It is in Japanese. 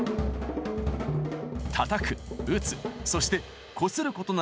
たたく打つそしてこすることなら何でも！